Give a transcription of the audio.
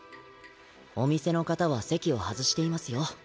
お店の方は席を外していますよ。